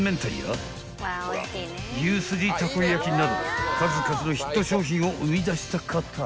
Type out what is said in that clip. ［牛すじたこ焼など数々のヒット商品を生み出した方で